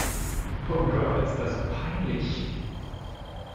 Oh Gott, ist das peinlich!